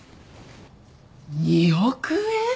２億円！？